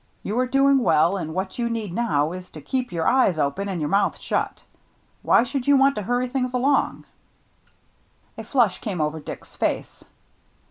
You are doing well, and what you need now is to keep your eyes open and your mouth shut. Why should you want to hurry things along ?" A flush came over Dick's face.